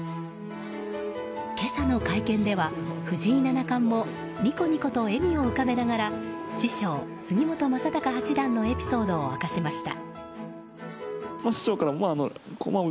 今朝の会見では、藤井七冠もニコニコと笑みを浮かべながら師匠・杉本昌隆八段のエピソードを明かしました。